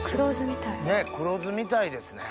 黒酢みたいですね。